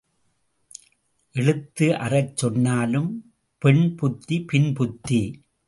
எழுத்து அறச் சொன்னாலும் பெண் புத்தி பின்புத்தி.